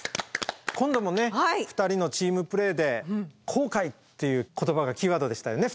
今度も２人のチームプレーで「後悔」っていう言葉がキーワードでしたよね